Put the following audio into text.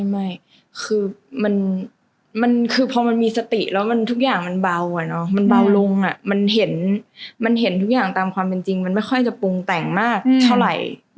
ไม่คือมันคือพอมันมีสติแล้วทุกอย่างมันเบามันเบาลงมันเห็นมันเห็นทุกอย่างตามความเป็นจริงมันไม่ค่อยจะปรุงแต่งมากเท่าไหร่